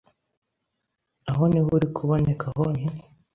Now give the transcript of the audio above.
aho niho uri kuboneka honyine.